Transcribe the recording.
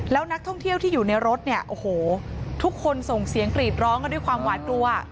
แล้วนักท่องเที่ยวที่อยู่ในรถเนี่ยโอ้โหทุกคนส่งเสียงกรีดร้องกันด้วยความหวาดกลัว